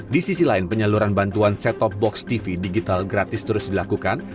di sisi lain penyaluran bantuan set top box tv digital gratis terus dilakukan